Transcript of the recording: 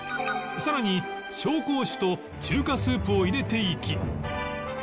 さらに紹興酒と中華スープを入れていき